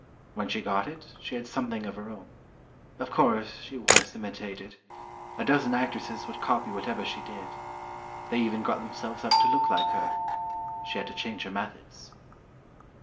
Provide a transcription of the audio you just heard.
When she got it, she had something of her own. Of course, she was imitated. A dozen actresses would copy whatever she did. They even got themselves up to look like her. She had to change her methods."